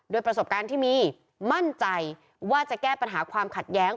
โดยประสบการณ์ที่มีมั่นใจว่าจะแก้ปัญหาความขัดแย้ง